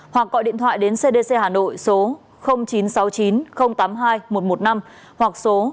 hoặc gọi điện thoại đến cdc hà nội số chín trăm sáu mươi chín tám mươi hai một trăm một mươi năm hoặc số chín trăm bốn mươi chín ba trăm chín mươi sáu một trăm một mươi năm